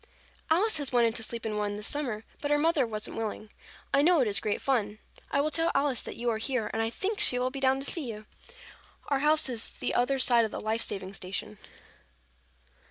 "Alice has wanted to sleep in one this summer, but her mother wasn't willing. I know it is great fun. I will tell Alice that you are here and I think she will be down to see you. Our house is the other side of the life saving station."